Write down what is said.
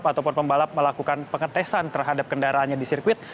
ataupun pembalap melakukan pengetesan terhadap kendaraannya di sirkuit